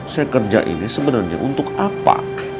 saya kerja ini sebenarnya untuk apa